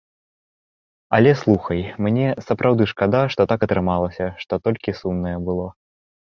Але слухай, мне сапраўды шкада, што так атрымалася, што толькі сумнае было.